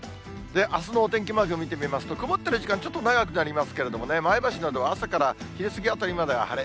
あすのお天気マークを見てみますと、曇っている時間、ちょっと長くなりますけれどもね、前橋などは朝から昼過ぎあたりまでは晴れ。